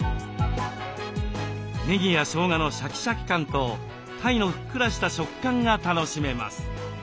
ねぎやしょうがのシャキシャキ感と鯛のふっくらした食感が楽しめます。